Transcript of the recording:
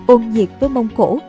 ôn nhiệt với mông khổ